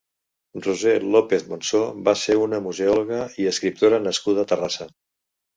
Roser López Monsò va ser una museòloga i escriptora nascuda a Terrassa.